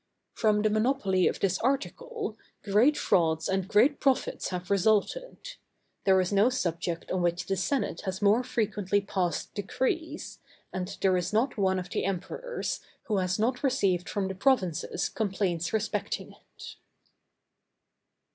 From the monopoly of this article, great frauds and great profits have resulted; there is no subject on which the senate has more frequently passed decrees, and there is not one of the Emperors, who has not received from the provinces complaints respecting it.